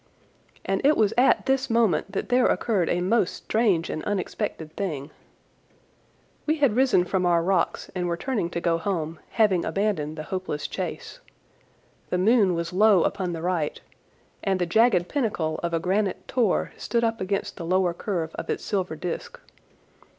And it was at this moment that there occurred a most strange and unexpected thing. We had risen from our rocks and were turning to go home, having abandoned the hopeless chase. The moon was low upon the right, and the jagged pinnacle of a granite tor stood up against the lower curve of its silver disc.